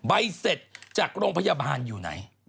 ใบเสร็จจากโรงพยาบาลอยู่ไหน